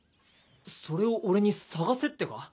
それを俺に捜せってか？